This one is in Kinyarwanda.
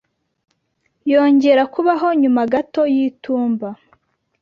yongera kubaho nyuma gato y’itumba